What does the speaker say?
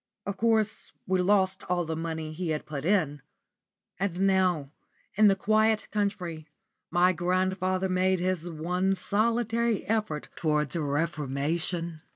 Of course we lost all the money he had put in. And now, in the quiet country, my grandfather made his one solitary effort towards reformation.